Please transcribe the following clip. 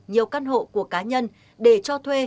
nhiều căn hộ của cá nhân để cho thuê